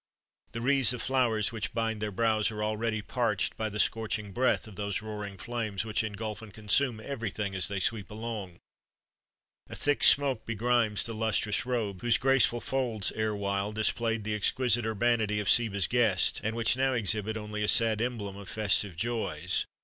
The wreaths of flowers which bind their brows are already parched by the scorching breath of those roaring flames, which engulf and consume everything as they sweep along. A thick smoke begrimes the lustrous robes, whose graceful folds erewhile displayed the exquisite urbanity of Seba's guests, and which now exhibit only a sad emblem of festive joys.